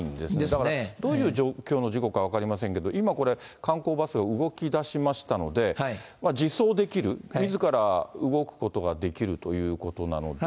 だからどういう状況の事故か分かりませんけど、今これ、観光バスが動きだしましたので、自走できる、みずから動くことができるということなので。